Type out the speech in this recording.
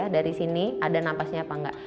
dari sini ada napasnya apa enggak